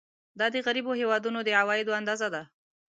دا د غریبو هېوادونو د عوایدو اندازه ده.